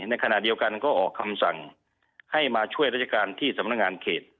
ในขณะเดียวกันก็ออกคำสั่งให้มาช่วยราชการที่สำนักงานเขต